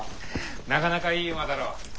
なかなかいい馬だろ。